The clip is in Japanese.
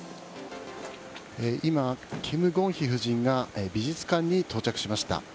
今、キム・ゴンヒ夫人が美術館に到着しました。